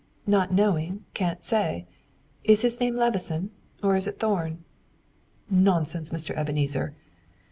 "Not knowing, can't say. Is his name Levison, or is it Thorn?" "Nonsense, Mr. Ebenezer!"